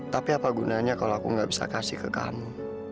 tapi apa gunanya kalau aku nggak bisa kasih ke kamu